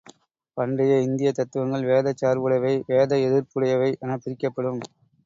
பண்டைய இந்தியத் தத்துவங்கள் வேதச் சார்புடையவை, வேத எதிர்ப்புடையவை எனப்பிரிக்கப்படும்.